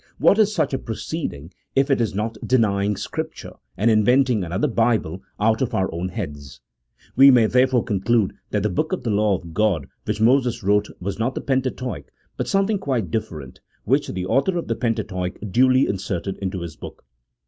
"What is such a proceeding if it is not denying Scripture, and inventing another Bible out of our own heads ? We may therefore conclude that the book of the law of God which Moses wrote was not the Pentateuch, but something quite different, which the author of the Pentateuch duly inserted into his book.